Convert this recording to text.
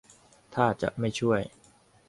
ท่าจะไม่ช่วย